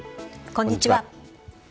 こんにちは。